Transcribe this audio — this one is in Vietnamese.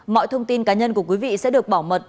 mọi thông tin cá nhân của quý vị sẽ được bảo mật